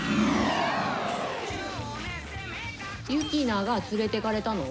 ユキナが連れてかれたの？